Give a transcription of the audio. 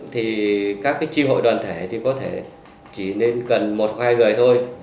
thì các cái triệu hội đoàn thể thì có thể chỉ nên cần một hoài người thôi